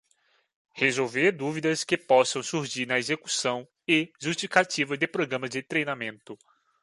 Resolver dúvidas que possam surgir na execução e justificativa do programa de treinamento.